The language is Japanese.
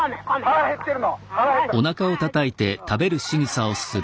腹減ってる。